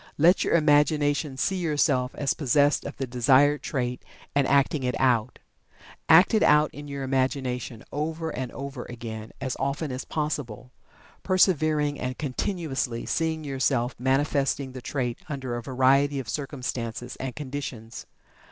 Let your imagination see yourself as possessed of the desired trait, and acting it out. Act it out in your imagination, over and over again, as often as possible, persevering, and continuously, seeing yourself manifesting the trait under a variety of circumstances and conditions.